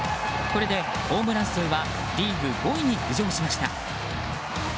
これでホームラン数はリーグ５位に浮上しました。